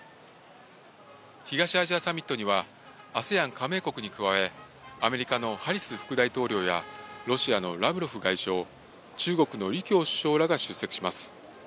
東アジアサミットには、ＡＳＥＡＮ加盟国に加え、アメリカのハリス副大統領や、ロシアのラブロフ外相、中国のリ・キョウ首相らが出席します。